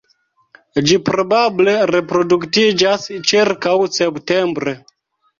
Ĝi probable reproduktiĝas ĉirkaŭ septembre.